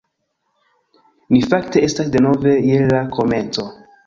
Ni fakte estas denove je la komenco